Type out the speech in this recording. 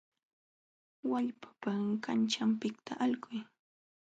Wallpata kanćhanpiqta alquy.